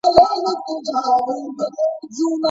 هر هوښيار انسان د خير او شر تر منځ خير غوره کوي.